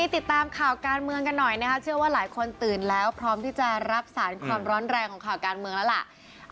ติดตามข่าวการเมืองกันหน่อยนะคะเชื่อว่าหลายคนตื่นแล้วพร้อมที่จะรับสารความร้อนแรงของข่าวการเมืองแล้วล่ะ